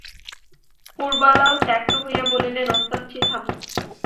পুরবালাও ত্যক্ত হইয়া বলিলেন, ওস্তাদজি, থামো!